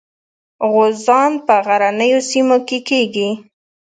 غوزان په غرنیو سیمو کې کیږي.